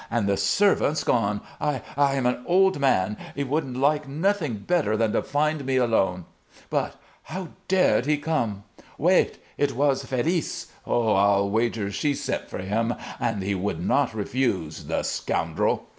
And the servants gone! I I am an old man; he would like nothing better than to find me alone. But how how dared he come? Wait! It was Félice. Ho! I'll wager she sent for him; and he would not refuse, the scoundrel!"